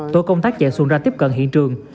tổ công tác chạy xuồng ra tiếp cận hiện trường